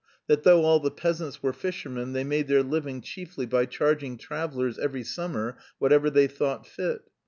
That though all the peasants were fishermen, they made their living chiefly by charging travellers every summer whatever they thought fit.